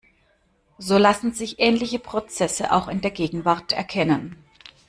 So lassen sich ähnliche Prozesse auch in der Gegenwart erkennen.